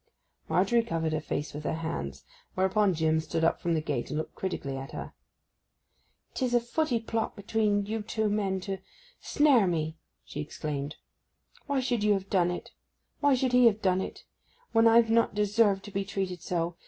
Margery covered her face with her hands; whereupon Jim stood up from the gate and looked critically at her. ''Tis a footy plot between you two men to—snare me!' she exclaimed. 'Why should you have done it—why should he have done it—when I've not deserved to be treated so.